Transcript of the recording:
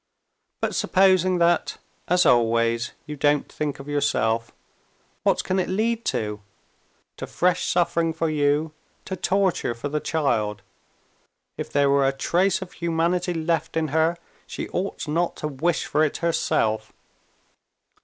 But supposing that, as always, you don't think of yourself, what can it lead to?—to fresh suffering for you, to torture for the child. If there were a trace of humanity left in her, she ought not to wish for it herself.